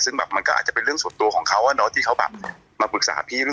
ซึ่งแบบมันก็อาจจะเป็นเรื่องส่วนตัวของเขาที่เขาแบบมาปรึกษาพี่